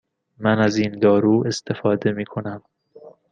من از این دارو استفاده می کنم.